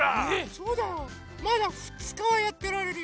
そうだよまだふつかはやってられるよ。